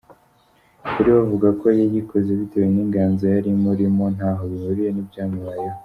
kuri we avuga ko yayikoze bitewe ninganzo yari imurimo ntaho bihuriye nibyamubayeho.